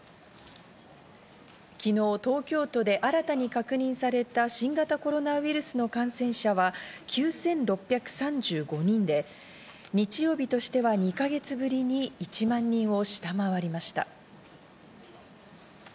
昨日、東京都で新たに確認された新型コロナウイルスの感染者は９６３５人で、日曜日としては２か月ぶりに１万人を下回りました。